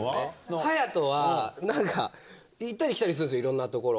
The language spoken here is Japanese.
隼は、なんか、行ったり来たりするんですよ、いろんな所を。